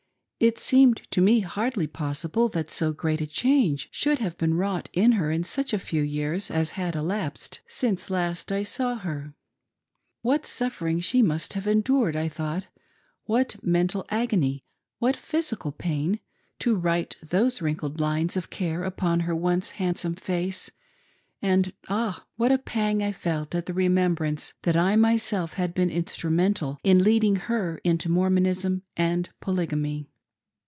It seemed to me hardly pos sible that so great a change should have been wrought in her in such a few years as had elapsed since last I saw her. What suffering she must have endured, I thought, what mental agony, what physical pain, to write those wrinkled lines of care upon her once handsome face ; and. Ah ! what a pang I felt at the remembrance that I myself had beeft instrumental in lead ing her into Mormonism and Polygamy.